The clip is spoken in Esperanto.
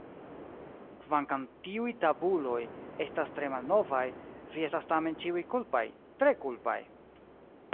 Kvankam tiuj tabuloj estas tre malnovaj, vi estas tamen ĉiuj kulpaj, tre kulpaj.